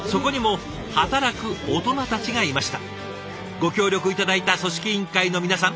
ご協力頂いた組織委員会の皆さん